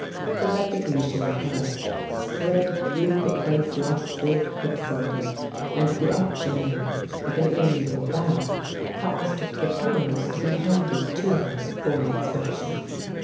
J *37 The False Step The recognition of her spread through the place like spilled quicksilver, and the auctioneer, with an amiable bow, caused the pearls to be handed to her for her inspection.